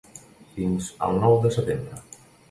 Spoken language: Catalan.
Fins al nou de setembre.